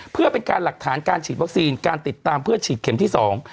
เพื่อเป็นการหลักฐานการฉีดวัคซีนการติดตามเพื่อฉีดเข็มที่สอง